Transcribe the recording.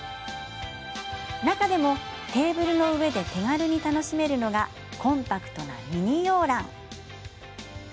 中でもテーブルの上で手軽に楽しめるのがコンパクトなミニ洋ラン。